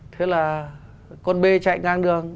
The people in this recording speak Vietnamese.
thế là con bê chạy ngang đường